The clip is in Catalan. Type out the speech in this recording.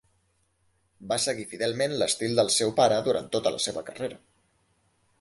Va seguir fidelment l'estil del seu pare durant tota la seva carrera.